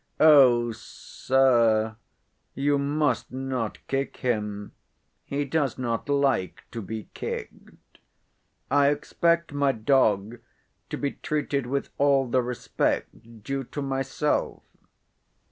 "Oh, sir, you must not kick him. He does not like to be kicked. I expect my dog to be treated with all the respect due to myself."